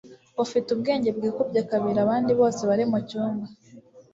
ufite ubwenge bwikubye kabiri abandi bose bari mucyumba